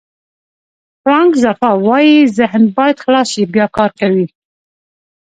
فرانک زفا وایي ذهن باید خلاص شي بیا کار کوي.